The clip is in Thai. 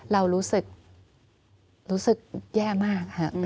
เรารู้สึกแย่มาก